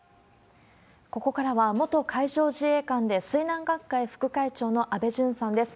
ここからは、元海上自衛官で、水難学会副会長の安倍淳さんです。